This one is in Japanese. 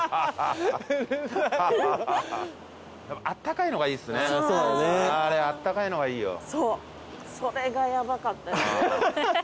あったかいのがいいっすね。